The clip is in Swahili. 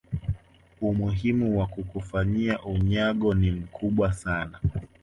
umuhimu wa kukufanyia unyago ni mkubwa sana